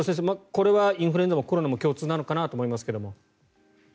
これはインフルエンザもコロナも共通なのかなと思いますけども。